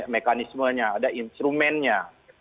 mekanismenya ada instrumennya